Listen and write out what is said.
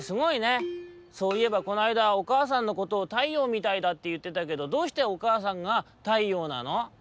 そういえばこのあいだおかあさんのことを太陽みたいだっていってたけどどうしておかあさんが太陽なの？」。